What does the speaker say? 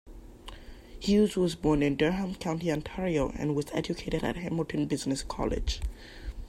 Hughes was born in Durham County, Ontario, and was educated at Hamilton Business College.